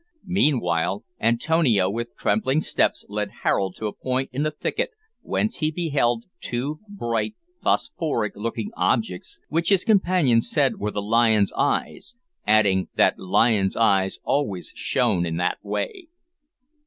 Meanwhile Antonio with trembling steps led Harold to a point in the thicket whence he beheld two bright phosphoric looking objects which his companion said were the lion's eyes, adding that lion's eyes always shone in that way.